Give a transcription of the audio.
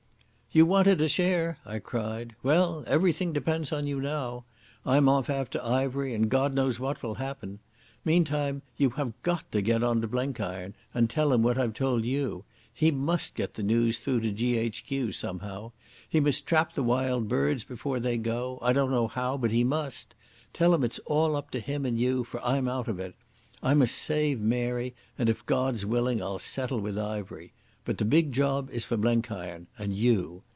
"You wanted a share," I cried. "Well, everything depends on you now. I'm off after Ivery, and God knows what will happen. Meantime, you have got to get on to Blenkiron, and tell him what I've told you. He must get the news through to G.H.Q. somehow. He must trap the Wild Birds before they go. I don't know how, but he must. Tell him it's all up to him and you, for I'm out of it. I must save Mary, and if God's willing I'll settle with Ivery. But the big job is for Blenkiron—and you.